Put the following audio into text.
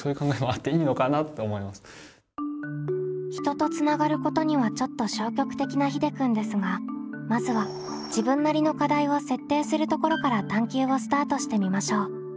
人とつながることにはちょっと消極的なひでくんですがまずは自分なりの課題を設定するところから探究をスタートしてみましょう。